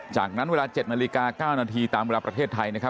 จากนั้นเวลา๗นาฬิกา๙นาทีตามเวลาประเทศไทยนะครับ